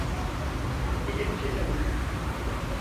Kelepçele onu.